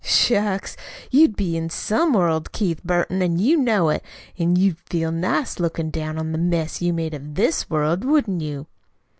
"Shucks! You'd be in some world, Keith Burton, an' you know it. An' you'd feel nice lookin' down on the mess you'd made of THIS world, wouldn't you?"